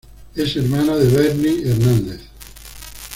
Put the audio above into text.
Es hermana de Berni Hernández.